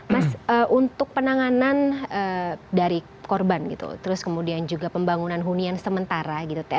mas untuk penanganan dari korban gitu terus kemudian juga pembangunan hunian sementara gitu teh